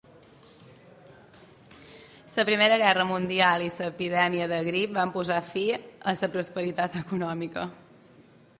La Primera Guerra Mundial i la epidèmia de grip van posar fi a la prosperitat econòmica.